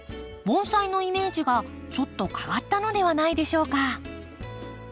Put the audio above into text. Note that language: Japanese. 盆栽のイメージがちょっと変わったのではないでしょうか？